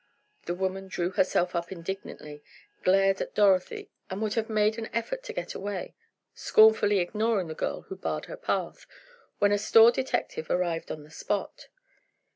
The woman drew herself up indignantly, glared at Dorothy, and would have made an effort to get away, scornfully ignoring the girl who barred her path, when a store detective arrived on the spot.